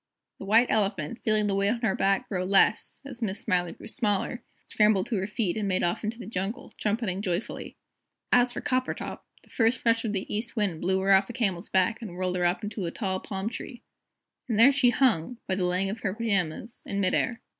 The White Elephant, feeling the weight on her back grow less as Miss Smiler grew smaller scrambled to her feet, and made off into the jungle, trumpeting joyfully. As for Coppertop, the first rush of the East Wind blew her off the Camel's back and whirled her up into a tall palm tree. And there she hung by the leg of her pyjamas in mid air.